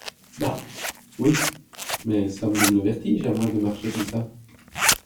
Ben ! oui, mais ça me donne le vertige, à moi, de marcher comme ça !